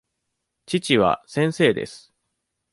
父は先生です。